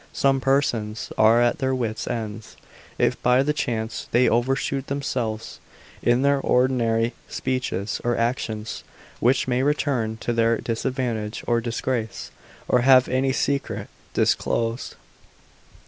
Some persons are at their wits' ends, if by chance they overshoot themselves, in their ordinary speeches, or actions, which may after turn to their disadvantage or disgrace, or have any secret disclosed.